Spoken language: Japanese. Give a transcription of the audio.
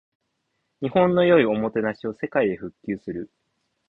日本の良いおもてなしを世界へ普及する